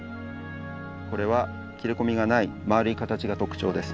これは切れ込みがない丸い形が特徴ですね。